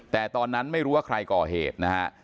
แต่ตอนนั้นไม่รู้ว่าใครก่อเหตุนะฮะ